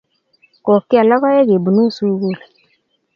Kokial logoek kepunu sukul